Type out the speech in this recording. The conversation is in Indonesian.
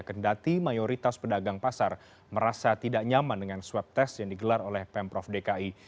kendati mayoritas pedagang pasar merasa tidak nyaman dengan swab test yang digelar oleh pemprov dki